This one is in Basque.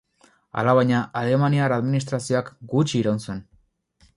Alabaina, alemaniar administrazioak gutxi iraun zuen.